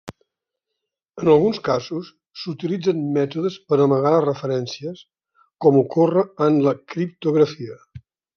En alguns casos s'utilitzen mètodes per amagar les referències, com ocorre en la criptografia.